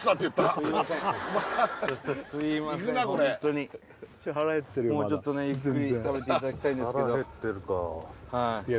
ホントに行くなこれもうちょっとねゆっくり食べていただきたいんですけどいや